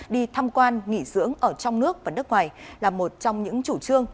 đi tham quan nghỉ dưỡng ở trong nước và nước ngoài là một trong những chủ trương